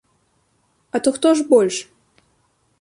А то хто ж больш?